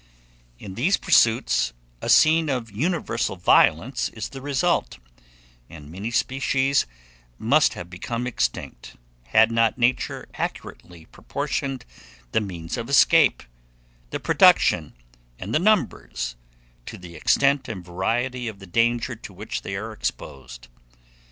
In these pursuits a scene of universal violence is the result; and many species must have become extinct, had not Nature accurately proportioned the means of escape, the production, and the numbers, to the extent and variety of the danger to which they are exposed.